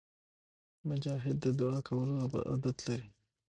مجاهد د دعا کولو عادت لري.